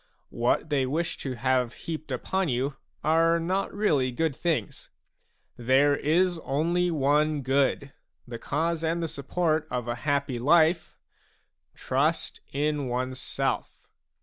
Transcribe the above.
What they wish to have heaped upon you are not really good things ; there is only one good, the cause and the support of a happy life, — trust in oneself.